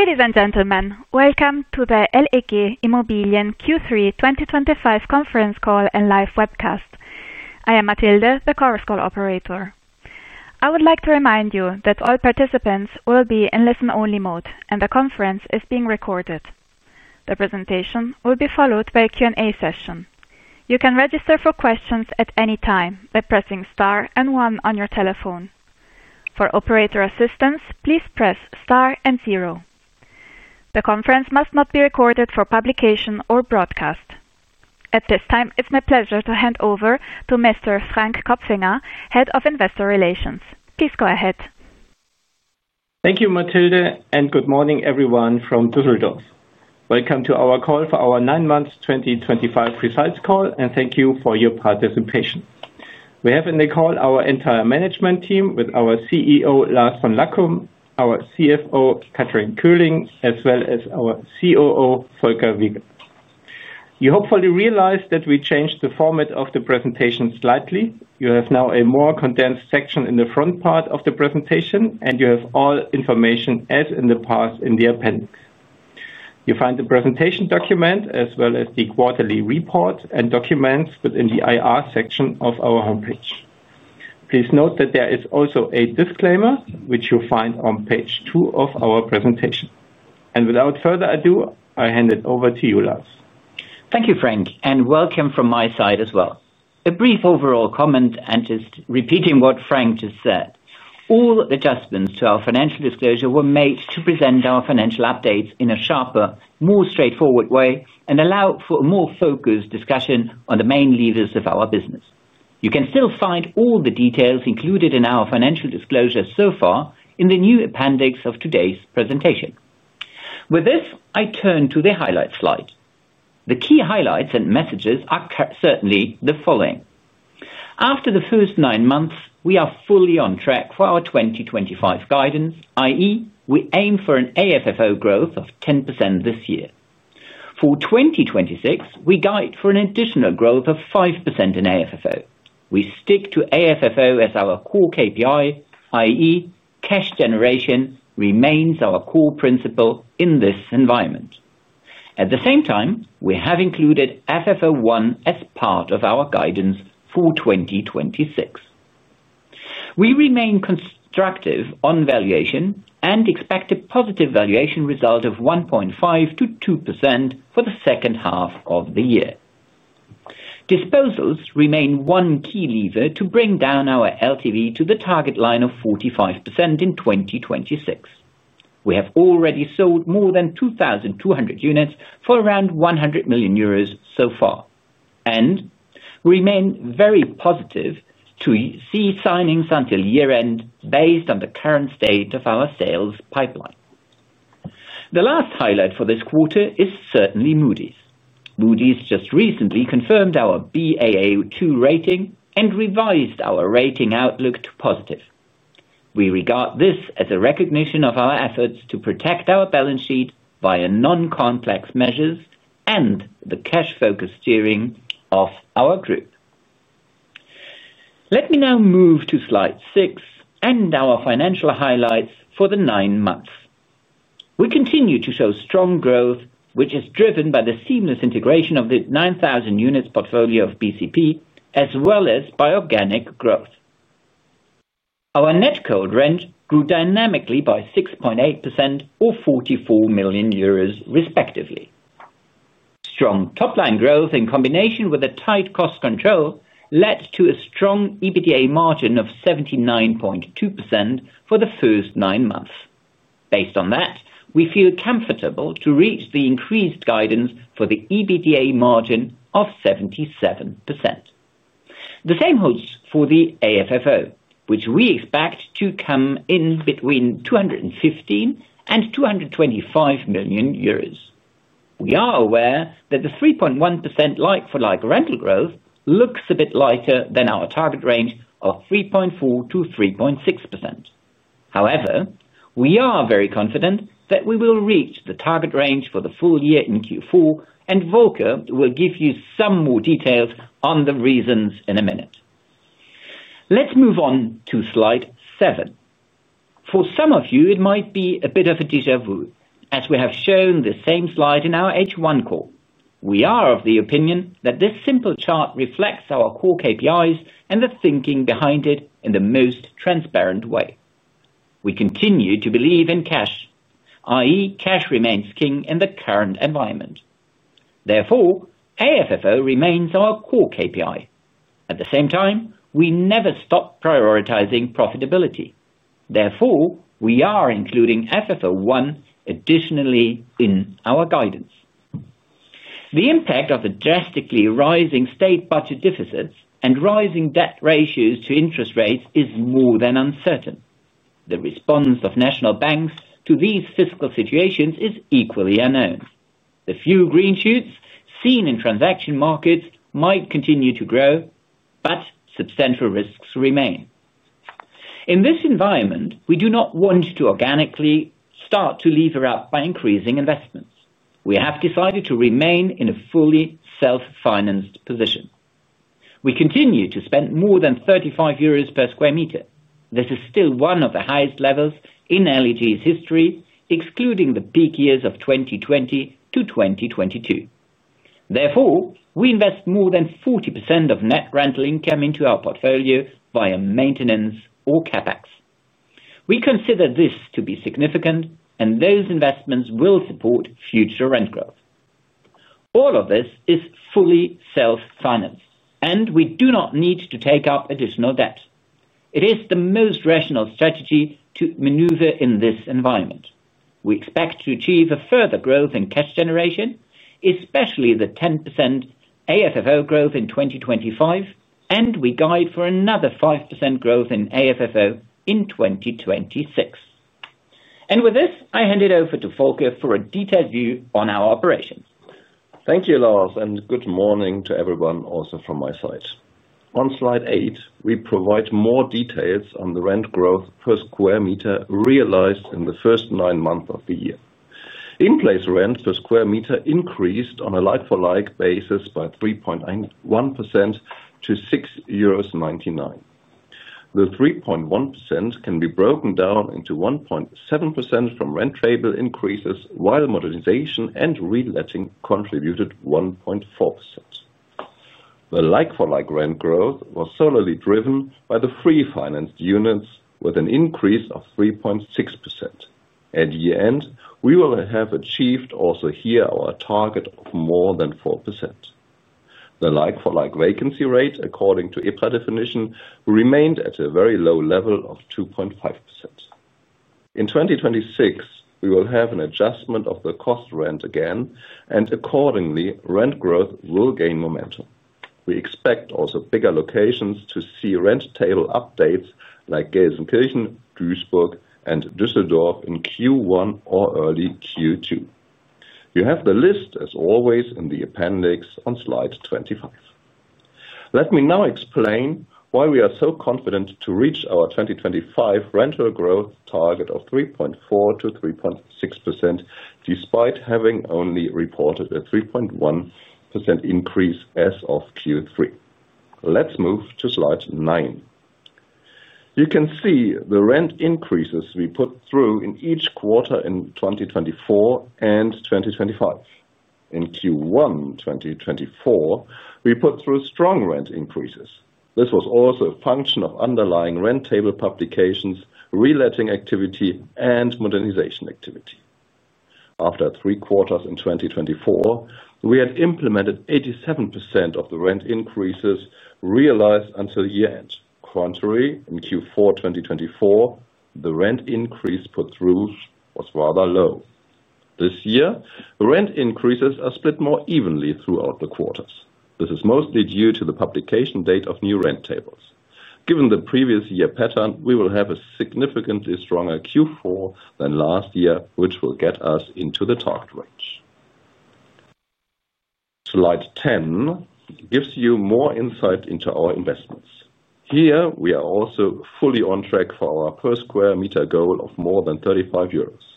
Ladies and gentlemen, welcome to the LEG Immobilien Q3 2025 conference call and live webcast. I am Matilde, the CorusCall operator.I would like to remind you that all participants will be in listen-only mode, and the conference is being recorded. The presentation will be followed by a Q&A session. You can register for questions at any time by pressing star and one on your telephone. For operator assistance, please press star and zero. The conference must not be recorded for publication or broadcast. At this time, it's my pleasure to hand over to Mr. Frank Kopfinger, Head of Investor Relations. Please go ahead. Thank you, Matilde, and good morning, everyone, from Düsseldorf. Welcome to our call for our nine-month 2025 results call, and thank you for your participation. We have in the call our entire management team with our CEO, Lars von Lackum, our CFO, Kathrin Köhling, as well as our COO, Volker Wiegel. You hopefully realize that we changed the format of the presentation slightly. You have now a more condensed section in the front part of the presentation, and you have all information as in the past in the appendix. You find the presentation document as well as the quarterly report and documents within the IR section of our homepage. Please note that there is also a disclaimer, which you find on page two of our presentation. Without further ado, I hand it over to you, Lars. Thank you, Frank, and welcome from my side as well. A brief overall comment, and just repeating what Frank just said: all adjustments to our financial disclosure were made to present our financial updates in a sharper, more straightforward way and allow for a more focused discussion on the main levers of our business. You can still find all the details included in our financial disclosure so far in the new appendix of today's presentation. With this, I turn to the highlight slide. The key highlights and messages are certainly the following: After the first nine months, we are fully on track for our 2025 guidance, i.e., we aim for an AFFO growth of 10% this year. For 2026, we guide for an additional growth of 5% in AFFO. We stick to AFFO as our core KPI, i.e., cash generation remains our core principle in this environment. At the same time, we have included FFO1 as part of our guidance for 2026. We remain constructive on valuation and expect a positive valuation result of 1.5%-2% for the second half of the year. Disposals remain one key lever to bring down our LTV to the target line of 45% in 2026. We have already sold more than 2,200 units for around €100 million so far and remain very positive to see signings until year-end based on the current state of our sales pipeline. The last highlight for this quarter is certainly Moody's. Moody's just recently confirmed our Baa2 rating and revised our rating outlook to positive. We regard this as a recognition of our efforts to protect our balance sheet via non-complex measures and the cash-focused steering of our group. Let me now move to slide six and our financial highlights for the nine months. We continue to show strong growth, which is driven by the seamless integration of the 9,000 units portfolio of BCP, as well as by organic growth. Our net code range grew dynamically by 6.8% or 44 million euros, respectively. Strong top-line growth in combination with a tight cost control led to a strong EBITDA margin of 79.2% for the first nine months. Based on that, we feel comfortable to reach the increased guidance for the EBITDA margin of 77%. The same holds for the AFFO, which we expect to come in between 215 million and 225 million euros. We are aware that the 3.1% like-for-like rental growth looks a bit lighter than our target range of 3.4%-3.6%. However, we are very confident that we will reach the target range for the full year in Q4, and Volker will give you some more details on the reasons in a minute. Let's move on to slide seven. For some of you, it might be a bit of a déjà vu, as we have shown the same slide in our H1 call. We are of the opinion that this simple chart reflects our core KPIs and the thinking behind it in the most transparent way. We continue to believe in cash, i.e., cash remains king in the current environment. Therefore, AFFO remains our core KPI. At the same time, we never stop prioritizing profitability. Therefore, we are including FFO I additionally in our guidance. The impact of the drastically rising state budget deficits and rising debt ratios to interest rates is more than uncertain. The response of national banks to these fiscal situations is equally unknown. The few green shoots seen in transaction markets might continue to grow, but substantial risks remain. In this environment, we do not want to organically start to lever up by increasing investments. We have decided to remain in a fully self-financed position. We continue to spend more than €35 per square meter. This is still one of the highest levels in LEG's history, excluding the peak years of 2020 to 2022. Therefore, we invest more than 40% of net rental income into our portfolio via maintenance or CapEx. We consider this to be significant, and those investments will support future rent growth. All of this is fully self-financed, and we do not need to take up additional debt. It is the most rational strategy to maneuver in this environment. We expect to achieve further growth in cash generation, especially the 10% AFFO growth in 2025, and we guide for another 5% growth in AFFO in 2026. With this, I hand it over to Volker for a detailed view on our operations. Thank you, Lars, and good morning to everyone also from my side. On slide 8, we provide more details on the rent growth per square meter realized in the first 9 months of the year. In-place rents per square meter increased on a like-for-like basis by 3.1% to €6.99. The 3.1% can be broken down into 1.7% from rent table increases, while modernization and reletting contributed 1.4%. The like-for-like rent growth was solely driven by the free-financed units with an increase of 3.6%. At the end, we will have achieved also here our target of more than 4%. The like-for-like vacancy rate, according to IPRA definition, remained at a very low level of 2.5%. In 2026, we will have an adjustment of the cost rent again, and accordingly, rent growth will gain momentum. We expect also bigger locations to see rent table updates like Gelsenkirchen, Duisburg, and Düsseldorf in Q1 or early Q2. You have the list, as always, in the appendix on slide 25. Let me now explain why we are so confident to reach our 2025 rental growth target of 3.4% to 3.6%, despite having only reported a 3.1% increase as of Q3. Let's move to slide 9. You can see the rent increases we put through in each quarter in 2024 and 2025. In Q1 2024, we put through strong rent increases. This was also a function of underlying rent table publications, reletting activity, and modernization activity. After three quarters in 2024, we had implemented 87% of the rent increases realized until year-end. Contrary, in Q4 2024, the rent increase put through was rather low. This year, rent increases are split more evenly throughout the quarters. This is mostly due to the publication date of new rent tables. Given the previous year pattern, we will have a significantly stronger Q4 than last year, which will get us into the target range. Slide 10 gives you more insight into our investments. Here, we are also fully on track for our per square meter goal of more than 35 euros.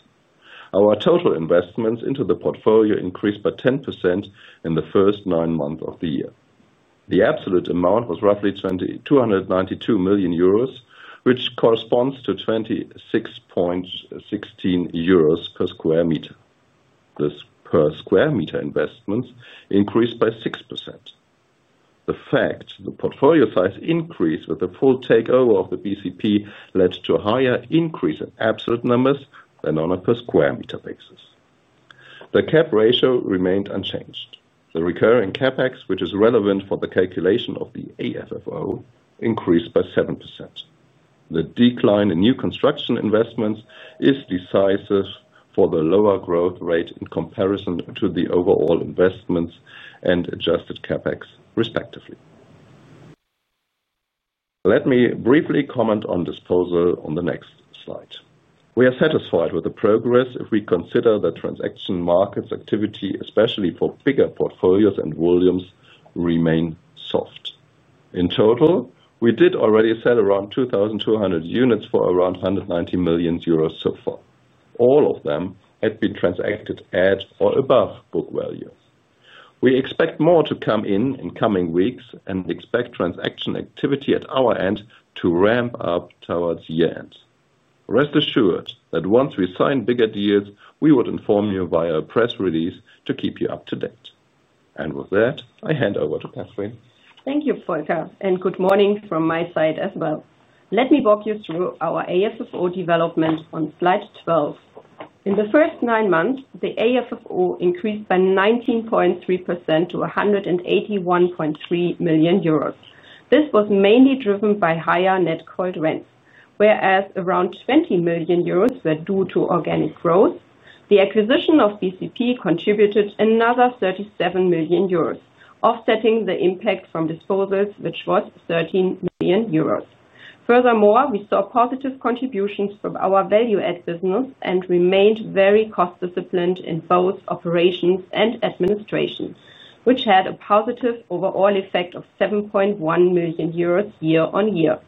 Our total investments into the portfolio increased by 10% in the first nine months of the year. The absolute amount was roughly 292 million euros, which corresponds to 26.16 euros per square meter. This per square meter investment increased by 6%. The fact the portfolio size increased with the full takeover of the BCP led to a higher increase in absolute numbers than on a per square meter basis. The CapEx ratio remained unchanged. The recurring CapEx, which is relevant for the calculation of the AFFO, increased by 7%. The decline in new construction investments is decisive for the lower growth rate in comparison to the overall investments and adjusted CapEx, respectively. Let me briefly comment on disposal on the next slide. We are satisfied with the progress if we consider the transaction markets activity, especially for bigger portfolios and volumes, remain soft. In total, we did already sell around 2,200 units for around 190 million euros so far. All of them had been transacted at or above book value. We expect more to come in in coming weeks and expect transaction activity at our end to ramp up towards year-end. Rest assured that once we sign bigger deals, we would inform you via a press release to keep you up to date. With that, I hand over to Kathrin. Thank you, Volker, and good morning from my side as well. Let me walk you through our AFFO development on slide 12. In the first nine months, the AFFO increased by 19.3% to 181.3 million euros. This was mainly driven by higher net cold rents, whereas around 20 million euros were due to organic growth. The acquisition of BCP contributed another 37 million euros, offsetting the impact from disposals, which was 13 million euros. Furthermore, we saw positive contributions from our value-add business and remained very cost-disciplined in both operations and administration, which had a positive overall effect of 7.1 million euros year-on-year.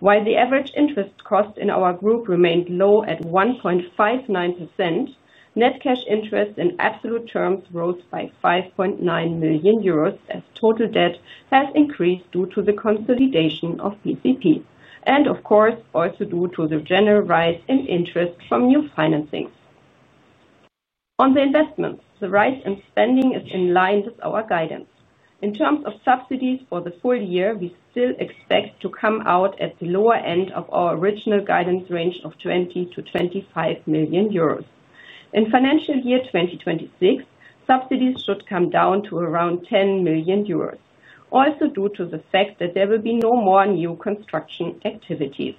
While the average interest cost in our group remained low at 1.59%, net cash interest in absolute terms rose by 5.9 million euros as total debt has increased due to the consolidation of BCP and, of course, also due to the general rise in interest from new financing. On the investments, the rise in spending is in line with our guidance. In terms of subsidies for the full year, we still expect to come out at the lower end of our original guidance range of €20 to €25 million. In financial year 2026, subsidies should come down to around €10 million, also due to the fact that there will be no more new construction activities.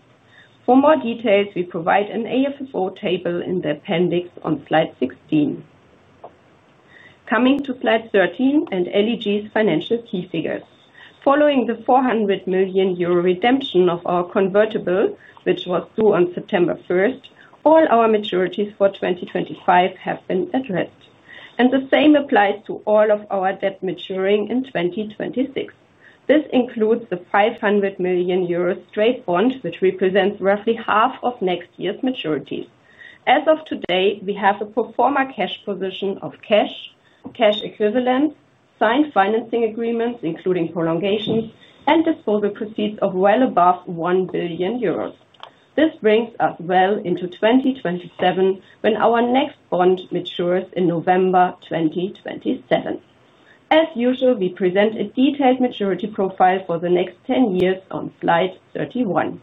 For more details, we provide an AFFO table in the appendix on slide 16. Coming to slide 13 and LEG's financial key figures. Following the €400 million redemption of our convertible, which was due on September 1st, all our maturities for 2025 have been addressed. And the same applies to all of our debt maturing in 2026. This includes the €500 million straight bond, which represents roughly half of next year's maturities. As of today, we have a performer cash position of cash, cash equivalents, signed financing agreements, including prolongations, and disposal proceeds of well above €1 billion. This brings us well into 2027 when our next bond matures in November 2027. As usual, we present a detailed maturity profile for the next 10 years on slide 31.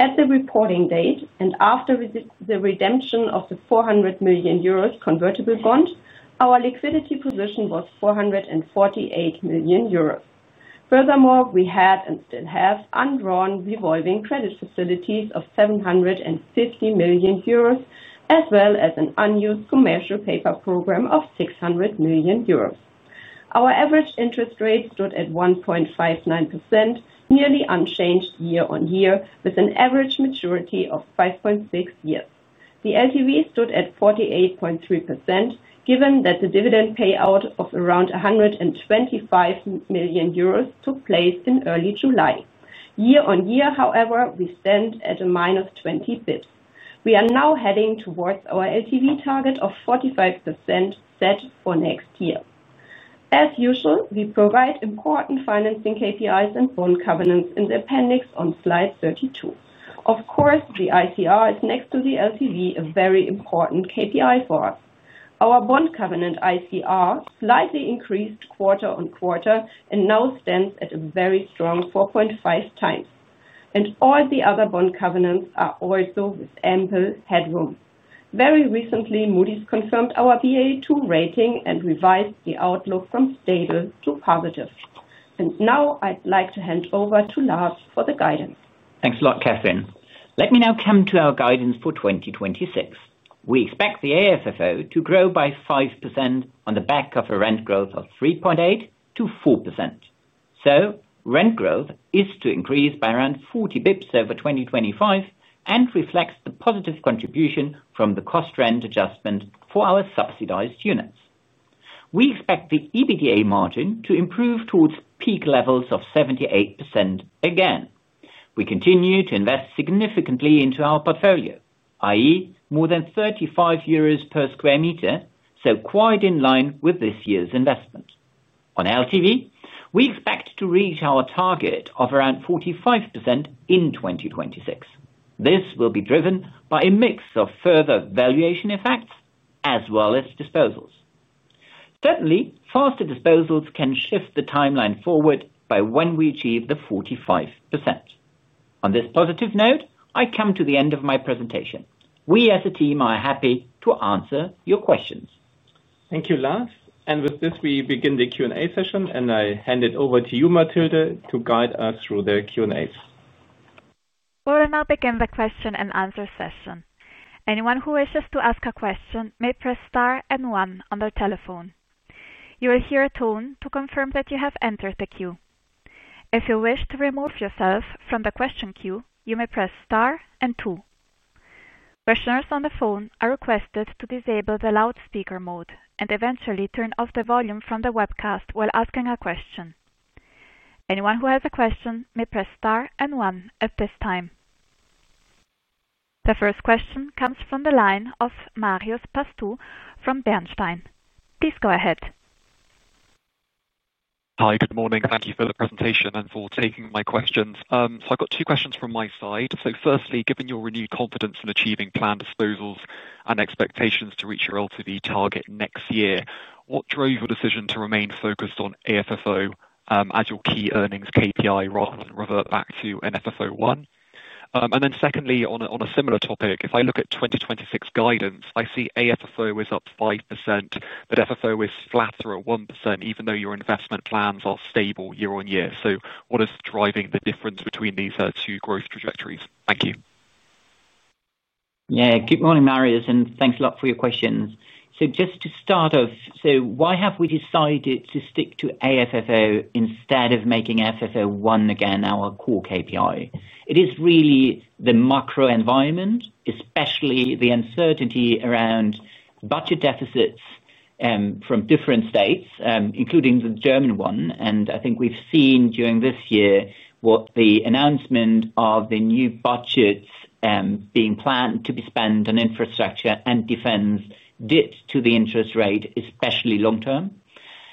At the reporting date and after the redemption of the €400 million convertible bond, our liquidity position was €448 million. Furthermore, we had and still have undrawn revolving credit facilities of €750 million, as well as an unused commercial paper program of €600 million. Our average interest rate stood at 1.59%, nearly unchanged year-on-year, with an average maturity of 5.6 years. The LTV stood at 48.3%, given that the dividend payout of around €125 million took place in early July. Year-on-year, however, we stand at a minus 20 bit. We are now heading towards our LTV target of 45% set for next year. As usual, we provide important financing KPIs and bond covenants in the appendix on slide 32. Of course, the ICR is next to the LTV, a very important KPI for us. Our bond covenant ICR slightly increased quarter on quarter and now stands at a very strong 4.5 times. And all the other bond covenants are also with ample headroom. Very recently, Moody's confirmed our BA2 rating and revised the outlook from stable to positive. And now I'd like to hand over to Lars for the guidance. Thanks a lot, Kathrin. Let me now come to our guidance for 2026. We expect the AFFO to grow by 5% on the back of a rent growth of 3.8% to 4%. So rent growth is to increase by around 40 bips over 2025 and reflects the positive contribution from the cost rent adjustment for our subsidized units. We expect the EBITDA margin to improve towards peak levels of 78% again. We continue to invest significantly into our portfolio, i.e., more than €35 per square meter, so quite in line with this year's investment. On LTV, we expect to reach our target of around 45% in 2026. This will be driven by a mix of further valuation effects as well as disposals. Certainly, faster disposals can shift the timeline forward by when we achieve the 45%. On this positive note, I come to the end of my presentation. We as a team are happy to answer your questions. Thank you, Lars. And with this, we begin the Q&A session, and I hand it over to you, Mathilde, to guide us through the Q&As. We will now begin the question and answer session. Anyone who wishes to ask a question may press star and one on their telephone. You will hear a tone to confirm that you have entered the queue. If you wish to remove yourself from the question queue, you may press star and two. Questioners on the phone are requested to disable the loudspeaker mode and eventually turn off the volume from the webcast while asking a question. Anyone who has a question may press star and one at this time. The first question comes from the line of Marios Pastou from Bernstein. Please go ahead. Hi, good morning. Thank you for the presentation and for taking my questions. So I've got two questions from my side. So firstly, given your renewed confidence in achieving planned disposals and expectations to reach your LTV target next year, what drove your decision to remain focused on AFFO as your key earnings KPI rather than revert back to an FFO1? And then secondly, on a similar topic, if I look at 2026 guidance, I see AFFO is up 5%, but FFO is flatter at 1%, even though your investment plans are stable year-on-year. So what is driving the difference between these two growth trajectories? Thank you. Yeah, good morning, Marius, and thanks a lot for your questions. So just to start off, so why have we decided to stick to AFFO instead of making FFO1 again our core KPI? It is really the macro environment, especially the uncertainty around budget deficits from different states, including the German one. And I think we've seen during this year what the announcement of the new budgets being planned to be spent on infrastructure and defense did to the interest rate, especially long-term.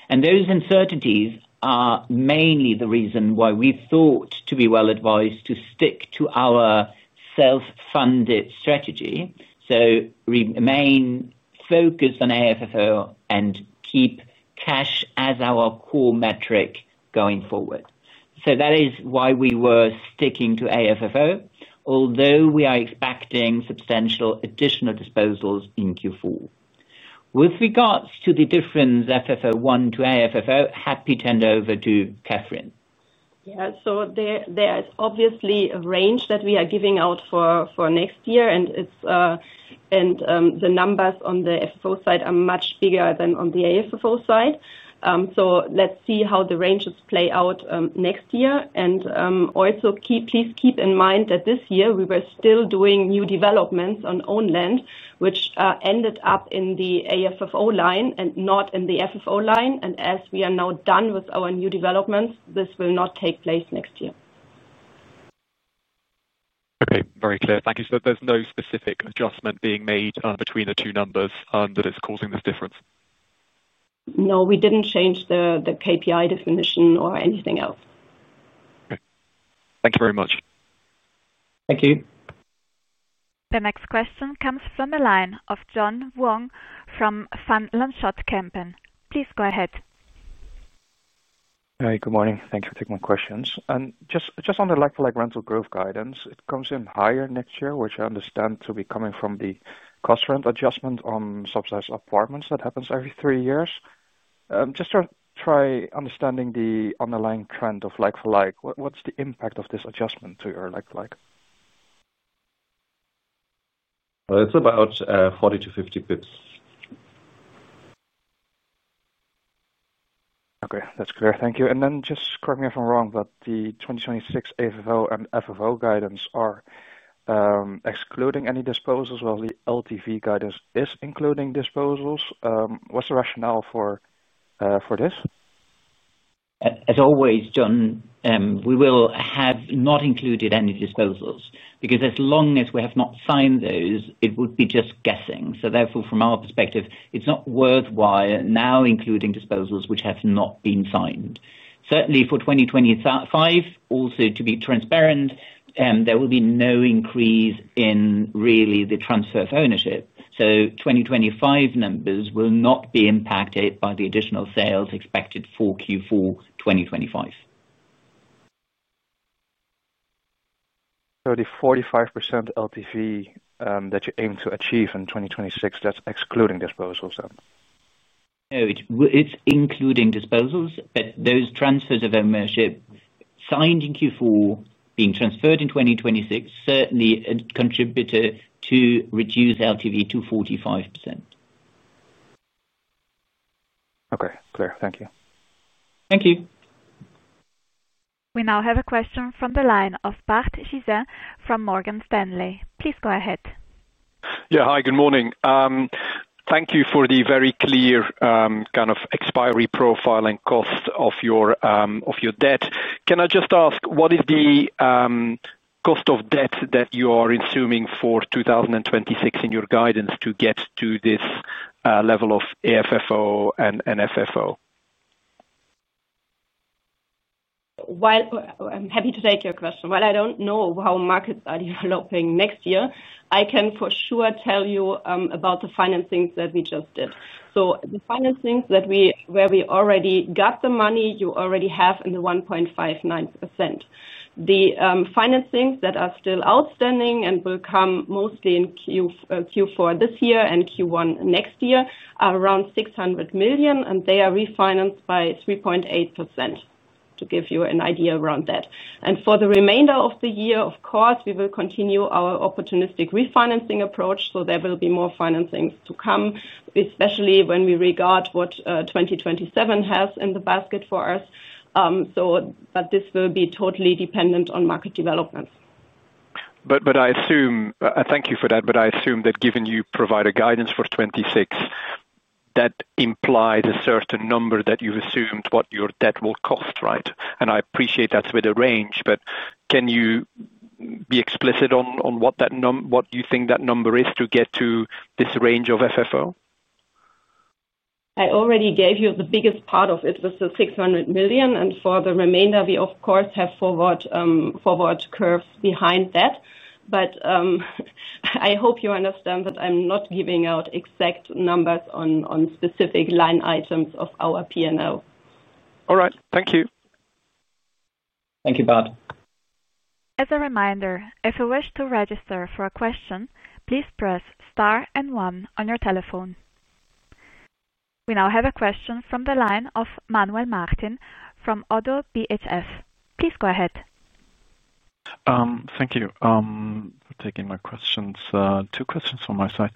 And those uncertainties are mainly the reason why we've thought to be well advised to stick to our self-funded strategy. So remain focused on AFFO and keep cash as our core metric going forward. So that is why we were sticking to AFFO, although we are expecting substantial additional disposals in Q4. With regards to the difference, FFO1 to AFFO, happy to hand over to Kathrin. Yeah, so there is obviously a range that we are giving out for next year, and the numbers on the FFO side are much bigger than on the AFFO side. So let's see how the ranges play out next year. And also, please keep in mind that this year we were still doing new developments on own land, which ended up in the AFFO line and not in the FFO line. And as we are now done with our new developments, this will not take place next year. Okay, very clear. Thank you. So there's no specific adjustment being made between the two numbers that is causing this difference? No, we didn't change the KPI definition or anything else. Okay. Thank you very much. Thank you. The next question comes from the line of John Wong from Van Lanschot-Campen. Please go ahead. Hey, good morning. Thank you for taking my questions. And just on the likewell rental growth guidance, it comes in higher next year, which I understand to be coming from the cost rent adjustment on subsidized apartments that happens every three years. Just to try understanding the underlying trend of likewell, what's the impact of this adjustment to your likewell? Well, it's about 40 to 50 bips. Okay, that's clear. Thank you. And then just correct me if I'm wrong, but the 2026 AFFO and FFO guidance are excluding any disposals while the LTV guidance is including disposals. What's the rationale for this? As always, John, we will have not included any disposals because as long as we have not signed those, it would be just guessing. So therefore, from our perspective, it's not worthwhile now including disposals which have not been signed. Certainly for 2025, also to be transparent, there will be no increase in really the transfer of ownership. So 2025 numbers will not be impacted by the additional sales expected for Q4 2025. So the 45% LTV that you aim to achieve in 2026, that's excluding disposals then? No, it's including disposals, but those transfers of ownership signed in Q4 being transferred in 2026 certainly contributed to reduce LTV to 45%. Okay, clear. Thank you. Thank you. We now have a question from the line of Bart Gizin from Morgan Stanley. Please go ahead. Yeah, hi, good morning. Thank you for the very clear kind of expiry profile and cost of your debt. Can I just ask, what is the cost of debt that you are assuming for 2026 in your guidance to get to this level of AFFO and FFO? I'm happy to take your question. While I don't know how markets are developing next year, I can for sure tell you about the financings that we just did. So the financings where we already got the money, you already have in the 1.59%. The financings that are still outstanding and will come mostly in Q4 this year and Q1 next year are around 600 million, and they are refinanced by 3.8%, to give you an idea around that. And for the remainder of the year, of course, we will continue our opportunistic refinancing approach, so there will be more financings to come, especially when we regard what 2027 has in the basket for us. But this will be totally dependent on market developments. But I assume, thank you for that, but I assume that given you provide a guidance for 2026, that implies a certain number that you've assumed what your debt will cost, right? And I appreciate that's with a range, but can you be explicit on what you think that number is to get to this range of FFO? I already gave you the biggest part of it, which is 600 million, and for the remainder, we, of course, have forward curves behind that. But I hope you understand that I'm not giving out exact numbers on specific line items of our P&L. All right, thank you. Thank you, Bart. As a reminder, if you wish to register for a question, please press star and one on your telephone. We now have a question from the line of Manuel Martin from Oddo BHF. Please go ahead. Thank you. I'm taking my questions. Two questions from my side.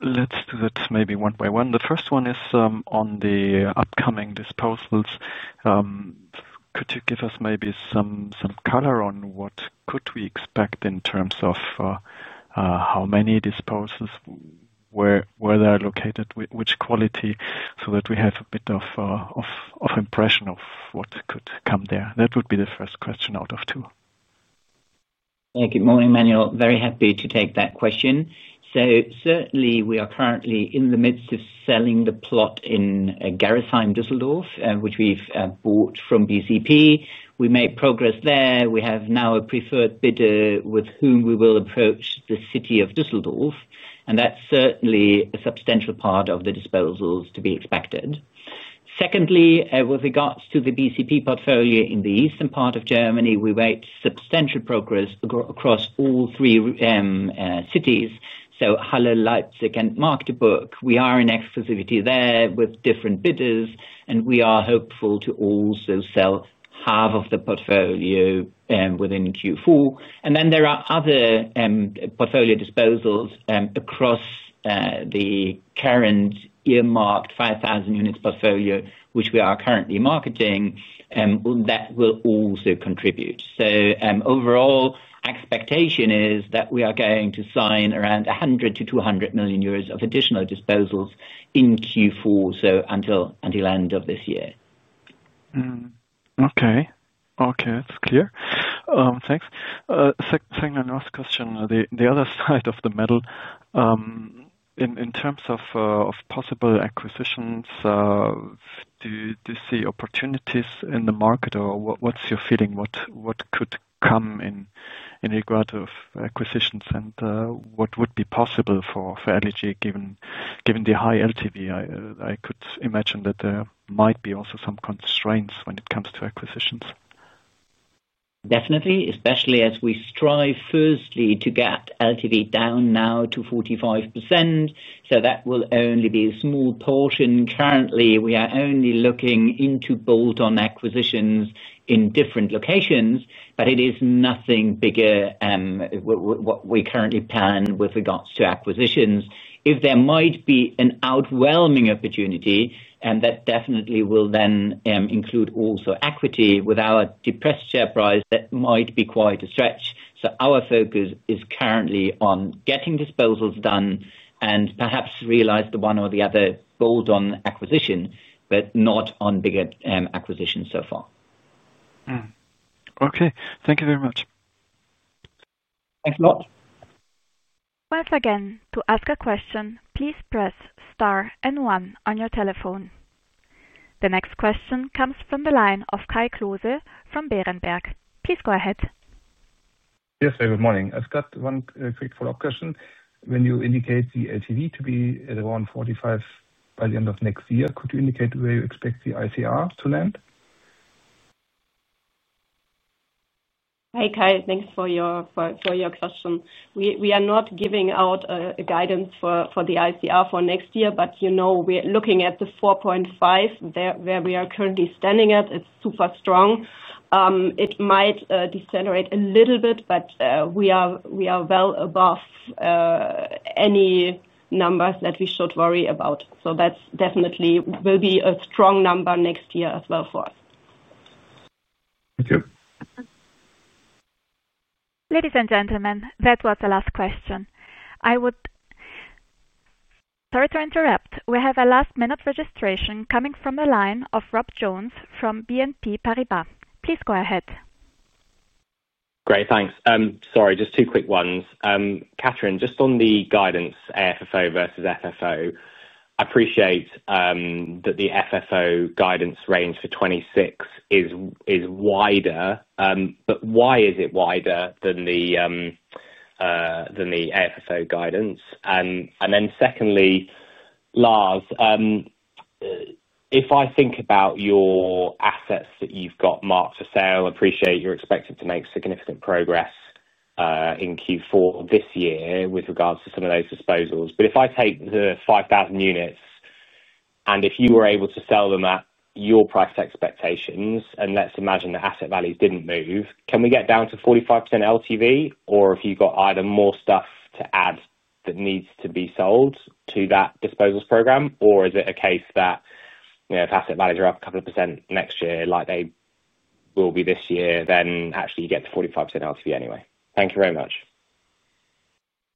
Let's do that maybe one by one. The first one is on the upcoming disposals. Could you give us maybe some color on what could we expect in terms of how many disposals, where they're located, which quality, so that we have a bit of impression of what could come there? That would be the first question out of two. Good morning, Manuel. Very happy to take that question. Certainly, we are currently in the midst of selling the plot in Glasmacher Viertel, Düsseldorf, which we've bought from BCP. We made progress there. We have now a preferred bidder with whom we will approach the city of Düsseldorf, and that's certainly a substantial part of the disposals to be expected. Secondly, with regards to the BCP portfolio in the eastern part of Germany, we make substantial progress across all three cities, so Halle, Leipzig, and Magdeburg. We are in exclusivity there with different bidders, and we are hopeful to also sell half of the portfolio within Q4. And then there are other portfolio disposals across the current earmarked 5,000 units portfolio, which we are currently marketing, that will also contribute. So overall, expectation is that we are going to sign around 100 to 200 million euros of additional disposals in Q4, so until the end of this year. Okay. Okay, that's clear. Thanks. Second and last question, the other side of the medal, in terms of possible acquisitions, do you see opportunities in the market, or what's your feeling? What could come in regard to acquisitions and what would be possible for LEG given the high LTV? I could imagine that there might be also some constraints when it comes to acquisitions. Definitely, especially as we strive firstly to get LTV down now to 45%. That will only be a small portion. Currently, we are only looking into bolt-on acquisitions in different locations, but it is nothing bigger what we currently plan with regards to acquisitions. If there might be an overwhelming opportunity, that definitely will then include also equity with our depressed share price that might be quite a stretch. Our focus is currently on getting disposals done and perhaps realize the one or the other bolt-on acquisition, but not on bigger acquisitions so far. Okay. Thank you very much. Thanks a lot. Once again, to ask a question, please press star and one on your telephone. The next question comes from the line of Kai Klose from Bärenberg. Please go ahead. Yes, hi, good morning. I've got one quick follow-up question. When you indicate the LTV to be around 45 by the end of next year, could you indicate where you expect the ICR to land? Hi, Kai. Thanks for your question. We are not giving out a guidance for the ICR for next year, but we're looking at the 4.5 where we are currently standing at. It's super strong. It might decelerate a little bit, but we are well above any numbers that we should worry about. So that definitely will be a strong number next year as well for us. Thank you. Ladies and gentlemen, that was the last question. I would—sorry to interrupt. We have a last-minute registration coming from the line of Rob Jones from BNP Paribas. Please go ahead. Great, thanks. Sorry, just two quick ones. Kathrin, just on the guidance, FFO versus FFO. I appreciate that the FFO guidance range for 2026 is wider, but why is it wider than the FFO guidance? And then secondly, Lars, if I think about your assets that you've got marked for sale, I appreciate you're expected to make significant progress in Q4 this year with regards to some of those disposals. But if I take the 5,000 units and if you were able to sell them at your price expectations, and let's imagine the asset values didn't move, can we get down to 45% LTV? Or have you got either more stuff to add that needs to be sold to that disposals program? Or is it a case that if asset values are up a couple of percent next year, like they will be this year, then actually you get the 45% LTV anyway? Thank you very much.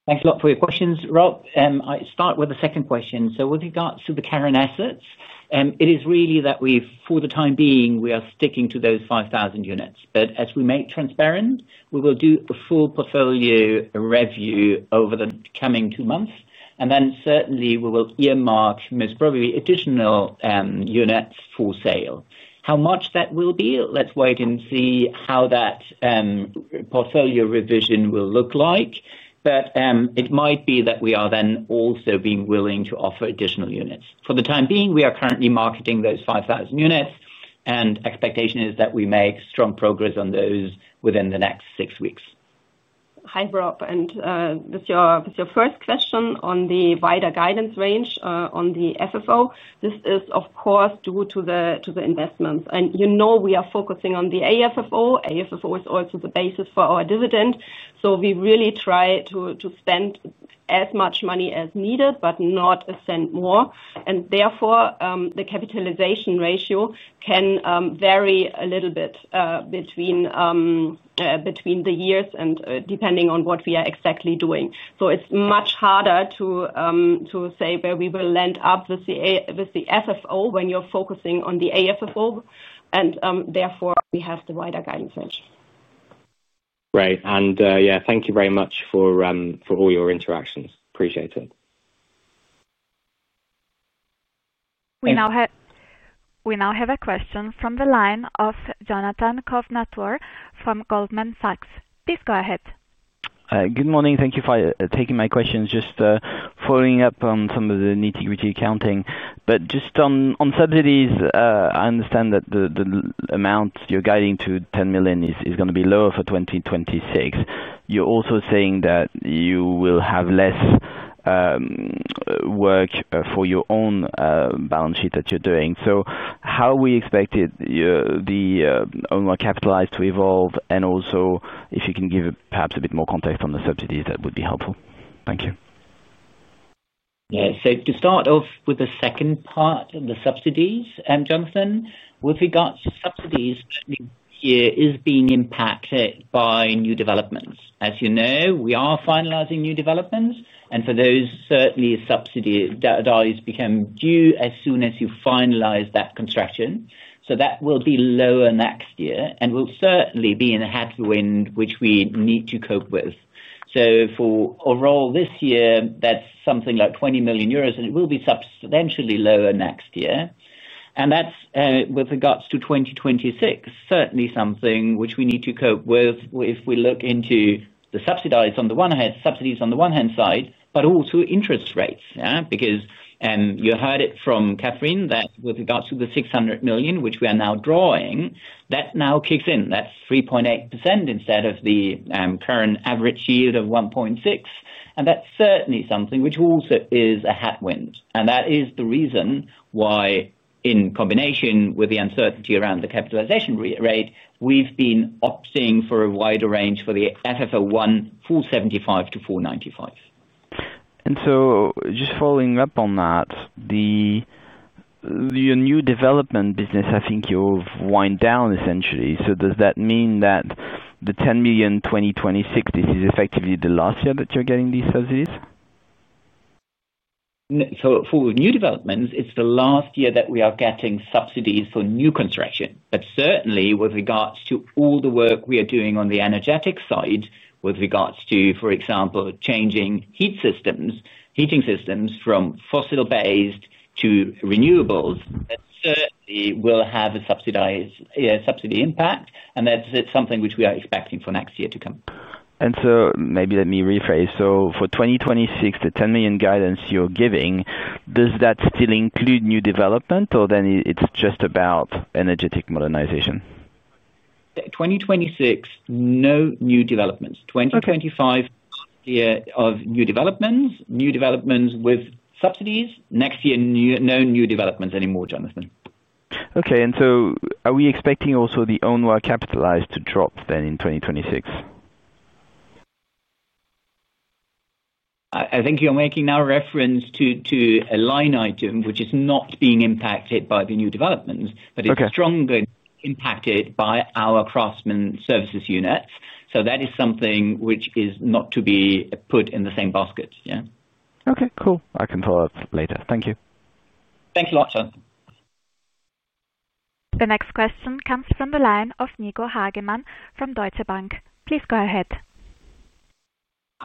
Thanks a lot for your questions, Rob. I'll start with the second question. So with regards to the Karen assets, it is really that for the time being, we are sticking to those 5,000 units. But as we make transparent, we will do a full portfolio review over the coming two months. And then certainly, we will earmark most probably additional units for sale. How much that will be, let's wait and see how that portfolio revision will look like. But it might be that we are then also being willing to offer additional units. For the time being, we are currently marketing those 5,000 units, and expectation is that we make strong progress on those within the next six weeks. Hi, Rob. And this is your first question on the wider guidance range on the FFO. This is, of course, due to the investments. And you know we are focusing on the AFFO. AFFO is also the basis for our dividend. So we really try to spend as much money as needed, but not a cent more. And therefore, the capitalization ratio can vary a little bit between the years and depending on what we are exactly doing. So it's much harder to say where we will land up with the FFO when you're focusing on the AFFO. And therefore, we have the wider guidance range. Great. And yeah, thank you very much for all your interactions. Appreciate it. We now have a question from the line of Jonathan Kovnatur from Goldman Sachs. Please go ahead. Good morning. Thank you for taking my questions. Just following up on some of the nitty-gritty accounting. But just on subsidies, I understand that the amount you're guiding to 10 million is going to be lower for 2026. You're also saying that you will have less work for your own balance sheet that you're doing. So how are we expecting the capitalise to evolve? And also, if you can give perhaps a bit more context on the subsidies, that would be helpful. Thank you. Yeah. So to start off with the second part of the subsidies, Jonathan, with regards to subsidies, certainly here is being impacted by new developments. As you know, we are finalising new developments. And for those, certainly subsidy dates become due as soon as you finalise that construction. So that will be lower next year and will certainly be in a headwind which we need to cope with. So for overall this year, that's something like 20 million euros, and it will be substantially lower next year. And that's with regards to 2026, certainly something which we need to cope with if we look into the subsidies on the one hand, subsidies on the one hand side, but also interest rates. Because you heard it from Kathryn that with regards to the 600 million, which we are now drawing, that now kicks in. That's 3.8% instead of the current average yield of 1.6. And that's certainly something which also is a headwind. And that is the reason why, in combination with the uncertainty around the capitalisation rate, we've been opting for a wider range for the FFO 1 full 75 to full 95. And so just following up on that, the new development business, I think you've wind down essentially. So does that mean that the 10 million 2026, this is effectively the last year that you're getting these subsidies? So for new developments, it's the last year that we are getting subsidies for new construction. But certainly, with regards to all the work we are doing on the energetic side, with regards to, for example, changing heating systems from fossil-based to renewables, that certainly will have a subsidy impact. And that's something which we are expecting for next year to come. And so maybe let me rephrase. So for 2026, the 10 million guidance you're giving, does that still include new development, or then it's just about energetic modernisation? 2026, no new developments. 2025, last year of new developments, new developments with subsidies. Next year, no new developments anymore, Jonathan. Okay. And so are we expecting also the own capitalise to drop then in 2026? I think you're making now reference to a line item which is not being impacted by the new developments, but it's stronger impacted by our craftsman services units. So that is something which is not to be put in the same basket. Yeah. Okay, cool. I can follow up later. Thank you. Thanks a lot, Jonathan. The next question comes from the line of Nico Hagemann from Deutsche Bank. Please go ahead.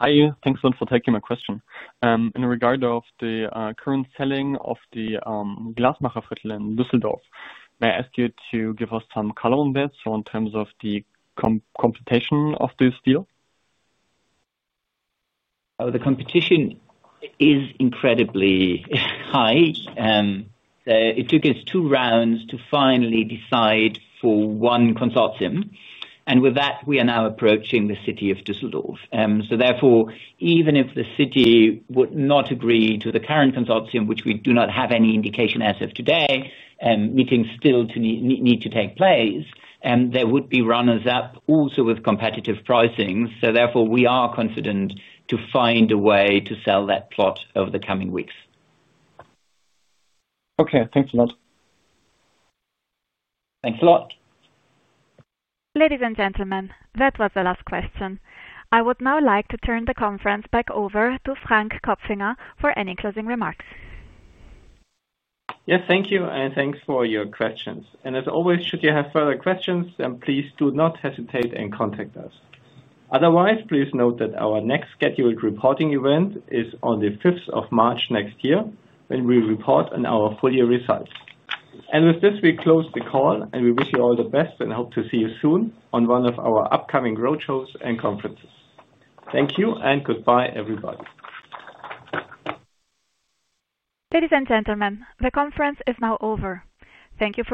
Hi, you. Thanks a lot for taking my question. In regard of the current selling of the Glasmacher Viertel in Düsseldorf, may I ask you to give us some colour on this in terms of the competition of this deal? The competition is incredibly high. It took us two rounds to finally decide for one consortium. With that, we are now approaching the city of Düsseldorf. Therefore, even if the city would not agree to the current consortium, which we do not have any indication as of today, meetings still need to take place, there would be runners-up also with competitive pricing. Therefore, we are confident to find a way to sell that plot over the coming weeks. Okay. Thanks a lot. Thanks a lot. Ladies and gentlemen, that was the last question. I would now like to turn the conference back over to Frank Kopfinger for any closing remarks. Yes, thank you. Thanks for your questions. As always, should you have further questions, then please do not hesitate and contact us. Otherwise, please note that our next scheduled reporting event is on the 5th of March next year when we report on our full year results. With this, we close the call, and we wish you all the best and hope to see you soon on one of our upcoming roadshows and conferences. Thank you and goodbye, everybody. Ladies and gentlemen, this concludes the conference. Thank you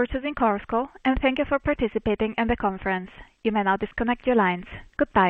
for participating, and you may now disconnect your lines. Goodbye.